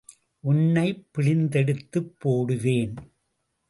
உன்னைப் பிழிந்தெடுத்துப் போடுவேன்.